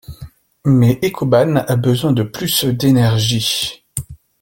Mais Ecoban a besoin de plus d'énergie.